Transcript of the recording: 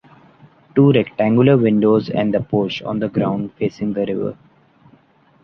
Two rectangular windows and the porch, on the ground, facing the river.